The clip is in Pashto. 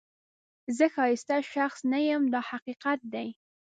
زه ښایسته شخص نه یم دا حقیقت دی.